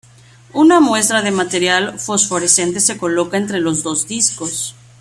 Una muestra de material fosforescente se coloca entre los dos discos.